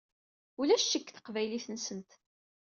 Ulac ccek deg teqbaylit-nsent.